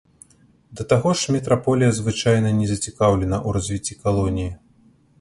Да таго ж метраполія звычайна не зацікаўлена ў развіцці калоніі.